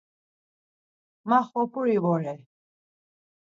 Ma Xopuri vore.